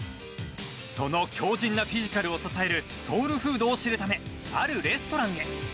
その強靭なフィジカルを支えるソウルフードを知るためあるレストランへ。